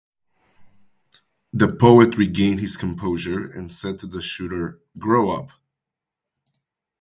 The poet regained his composure and said to the "shooter," "Grow up.